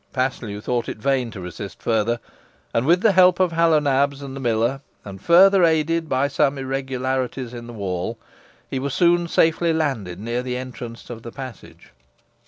Paslew thought it vain to resist further, and with the help of Hal o' Nabs and the miller, and further aided by some irregularities in the wall, he was soon safely landed near the entrance of the passage.